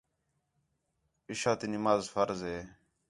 عِشاء تی نماز فرض ہِے